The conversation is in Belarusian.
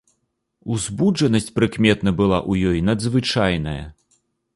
Узбуджанасць прыкметна была ў ёй надзвычайная.